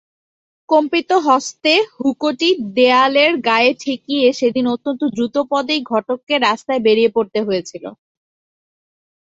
কম্পিত হস্তে হুঁকোটি দেয়ালের গায়ে ঠেকিয়ে সেদিন অত্যন্ত দ্রুতপদেই ঘটককে রাস্তায় বেরিয়ে পড়তে হয়েছিল।